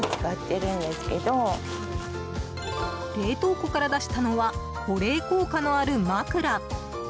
冷凍庫から出したのは保冷効果のある枕。